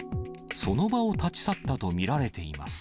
その場を立ち去ったと見られています。